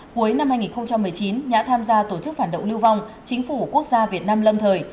cuối năm hai nghìn một mươi chín đã tham gia tổ chức phản động lưu vong chính phủ quốc gia việt nam lâm thời